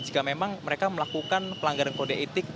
jika memang mereka melakukan pelanggaran kode etik